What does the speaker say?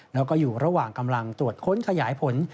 แล้วก็อยู่ระหว่างกำลังตรวจค้นขยายผล